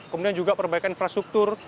kemudian juga perbaikan infrastruktur